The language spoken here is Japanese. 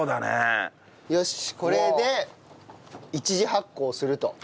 よしこれで１次発酵すると。